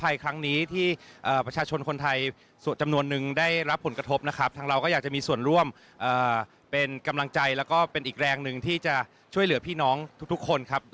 อยากจะเป็นอีกแรงใจที่จะช่วยเหลือพี่น้องทุกคน